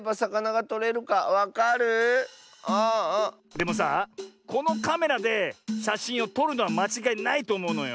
でもさこのカメラでしゃしんをとるのはまちがいないとおもうのよ。